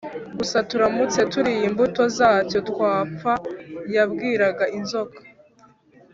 Gusa Turamutse turiye imbuto zacyo twapfa yabwiraga Inzoka